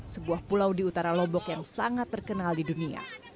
sebuah pulau di utara lombok yang sangat terkenal di dunia